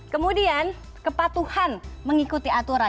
kemudian kepatuhan mengikuti aturan